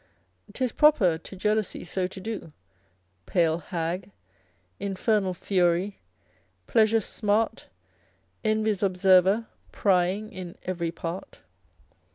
'Tis proper to jealousy so to do, Pale hag, infernal fury, pleasure's smart, Envy's observer, prying in every part.